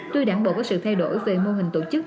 tuy đảng bộ có sự thay đổi về mô hình tổ chức